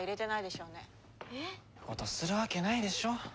そんなことするわけないでしょ。